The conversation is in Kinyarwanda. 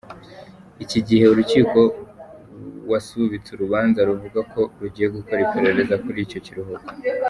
Iki gihe urukiko wasubitse urubanza, ruvuga ko rugiye gukora iperereza kuri icyo kiruhuko.